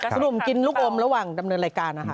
สรุปกินลูกอมระหว่างดำเนินรายการนะคะ